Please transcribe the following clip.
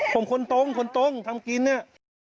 ผมคนตรงคนตรงทำกินเนี่ย